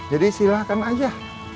jadi silakan aja